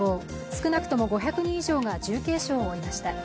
少なくとも５００人以上が重軽傷を負いました。